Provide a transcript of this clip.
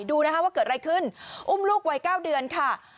ดูนะคะว่าเกิดอะไรขึ้นอุ้มลูกวัย๙เดือนค่ะ